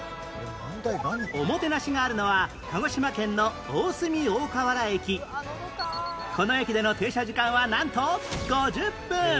おもてなしがあるのはこの駅での停車時間はなんと５０分